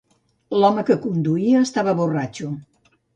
L'home que el conduïa estava borratxo.